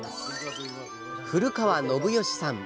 古川信義さん。